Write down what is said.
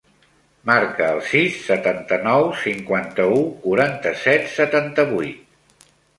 Marca el sis, setanta-nou, cinquanta-u, quaranta-set, setanta-vuit.